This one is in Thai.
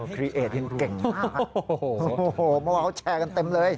ครีเอทยังเก่งมากโอ้โหมาว้าวแชร์กันเต็มเลย